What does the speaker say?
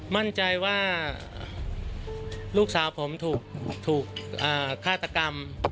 มั่นใจว่าลูกสาวผมถูกฆาตกรรม